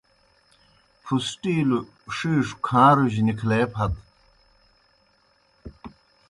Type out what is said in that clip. پُھسٹِیلوْ ݜِیݜوْ کھاݩروجیْ نِکھلے پھت۔